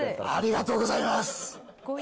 ありがとうございます。